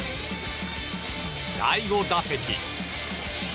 第５打席。